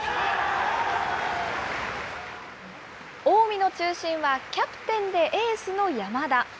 近江の中心はキャプテンでエースの山田。